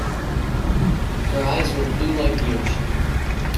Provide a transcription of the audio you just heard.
Her eyes were blue like the ocean.